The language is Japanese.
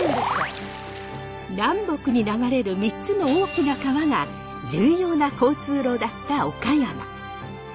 南北に流れる３つの大きな川が重要な交通路だった岡山。